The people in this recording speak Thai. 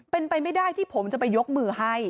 เป็นไปไม่ได้ที่ผมจะไปยกมือให้